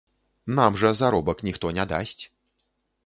Нам жа заробак ніхто не дасць.